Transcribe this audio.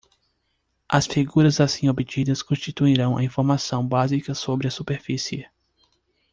As figuras assim obtidas constituirão a informação básica sobre a superfície.